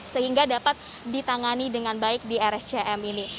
sehingga dapat ditangani dengan baik di rscm ini